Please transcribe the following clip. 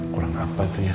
kurang apa tuh ya